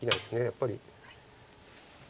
やっぱり。